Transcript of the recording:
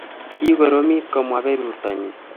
kikoromit komwa perurtonyi